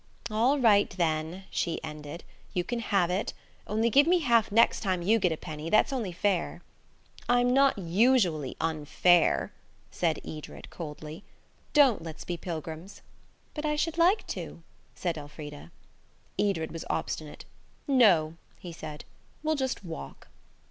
"All right, then," she ended; "you can have it. Only give me half next time you get a penny; that's only fair." "I'm not usually unfair," said Edred coldly. "Don't let's be pilgrims." "But I should like to," said Elfrida. Edred was obstinate. "No," he said, "we'll just walk."